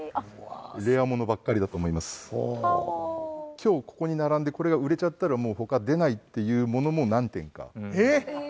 今日ここに並んでこれが売れちゃったらもう他出ないっていうものも何点かあります。